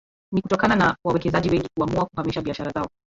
Ni kutokana na wawekezaji wengi kuamua kuhamisha biashara zao